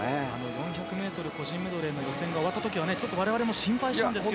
４００ｍ個人メドレーの予選が終わった時は我々も心配したんですけど。